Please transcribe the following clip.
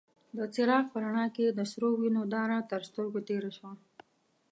د څراغ په رڼا کې يې د سرو وينو داره تر سترګو تېره شوه.